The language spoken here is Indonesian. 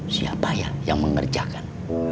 siapa ya yang mengerjakan